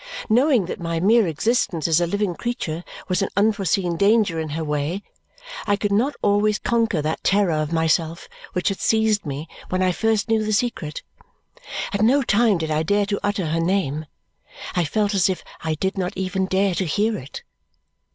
Knowing that my mere existence as a living creature was an unforeseen danger in her way, I could not always conquer that terror of myself which had seized me when I first knew the secret. At no time did I dare to utter her name. I felt as if I did not even dare to hear it.